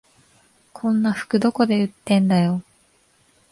こんな服どこで売ってんだよ